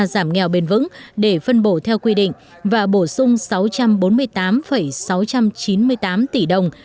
giảm nghèo bền vững để phân bổ theo quy định và bổ sung sáu trăm bốn mươi tám sáu trăm chín mươi tám tỷ đồng